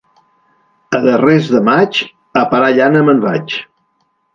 A darrers de maig a parar llana me'n vaig.